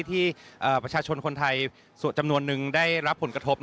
ที่ประชาชนคนไทยส่วนจำนวนนึงได้รับผลกระทบ